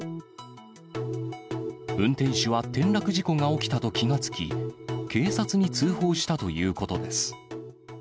運転手は転落事故が起きたと気が付き、警察に通報したということです。